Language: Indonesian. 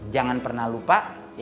jangan pernah lupa